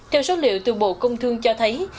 theo số liệu từ bộ công thương cho thấy